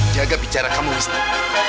jaga bicara kamu wistik